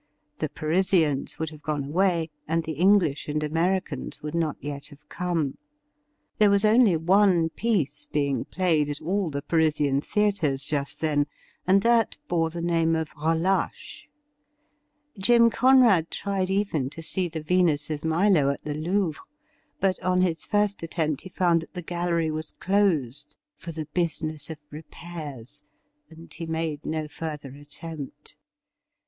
The Parisians would have gone away, and the English and Americans would not yet have come. There was only one piece being played at all the Parisian theatres just then, and that bore the name of ' Relache.' Jim Conrad tried even to see the Venus of Milo at the Louvre, but on his first attempt he found that the gallery was closed ' for the business of repairs,' and he made no further attempt.